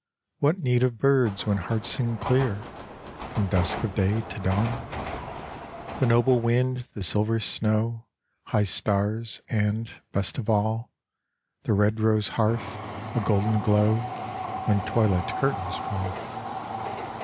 What need of birds when hearts sing clear, From dusk of day to dawn? The noble wind, the silver snow, High stars, and, best of all, The red rose hearth a golden glow When twilight curtains fall.